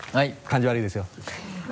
感じ悪いですよ。